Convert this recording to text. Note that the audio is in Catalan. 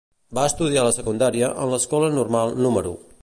Va estudiar la secundària en l'Escola Normal número .